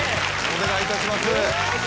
お願いいたします。